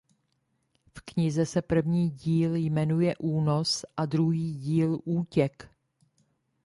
V knize se první díl jmenuje "Únos" a druhý díl "Útěk".